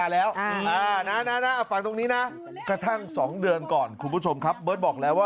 จ๊ะจ๊ะจ๊ะจ๊ะจ๊ะจ๊ะจ๊ะจ๊ะจ๊ะ